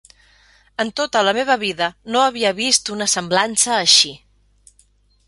En tota la meva vida no havia vist una semblança així.